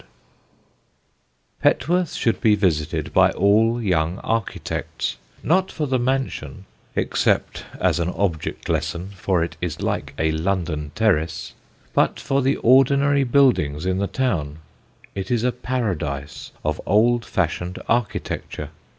[Sidenote: A TREASURY OF ARCHITECTURE] Petworth should be visited by all young architects; not for the mansion (except as an object lesson, for it is like a London terrace), but for the ordinary buildings in the town. It is a paradise of old fashioned architecture.